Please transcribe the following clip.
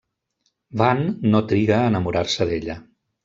Van no triga a enamorar-se d'ella.